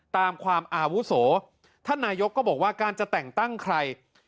ตามความอาวุโสท่านนายกก็บอกว่าการจะแต่งตั้งใคร